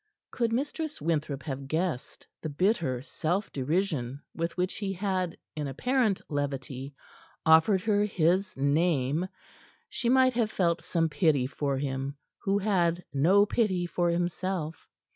Could Mistress Winthrop have guessed the bitter self derision with which he had, in apparent levity, offered her his name, she might have felt some pity for him who had no pity for himself.